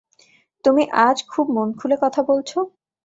তুমি আজ খুব মন খুলে কথা বলছো?